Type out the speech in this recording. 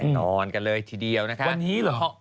นอนกันเลยทีเดียวนะคะ